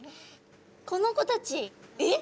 この子たちえっ？